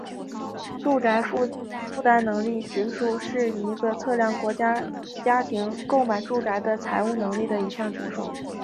住宅负担能力指数是一个测量国民家庭购买住宅的财务能力的一项指数。